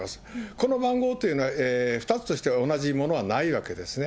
この番号というのは２つとして同じものはないわけですね。